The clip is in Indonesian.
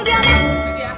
sekali lagi om